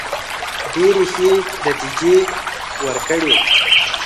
ډېري ښې نتیجې وورکړې.